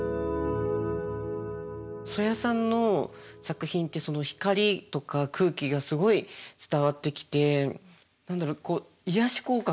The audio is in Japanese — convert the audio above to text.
曽谷さんの作品って光とか空気がすごい伝わってきて何だろう癒やし効果があるというか。